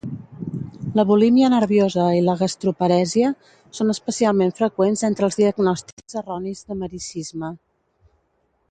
La bulímia nerviosa i la gastroparèsia són especialment freqüents entre els diagnòstics erronis de mericisme.